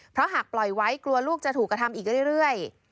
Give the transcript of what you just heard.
เพราะหากปล่อยไว้กลัวลูกจะถูกกระทำอีกเรื่อย